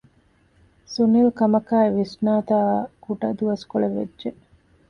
ސުނިލް ކަމަކާއި ވިސްނާތާކުޑަ ދުވަސްކޮޅެއް ވެއްޖެ